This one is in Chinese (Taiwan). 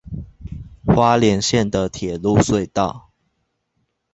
花蓮縣的鐵路隧道